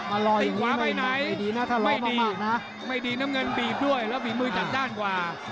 ตีขวาไปไหนไม่ดีนะไม่ดีน้ำเงินบีบด้วยแล้วฝีมือจัดจ้านกว่า